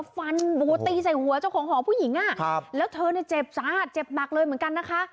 ฟันบัวตีใส่หัวเจ้าของห่อผู้หญิงแล้วเธอเจ็บสะอาดเจ็บปากเลยเหมือนกันนะคะ